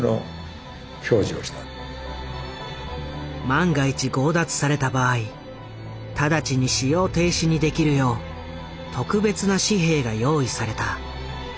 万が一強奪された場合直ちに使用停止にできるよう特別な紙幣が用意された。